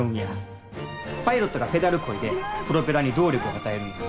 パイロットがペダルこいでプロペラに動力を与えるんや。